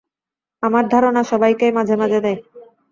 আমার ধারণা, সবাইকেই মাঝে-মাঝে দেয়।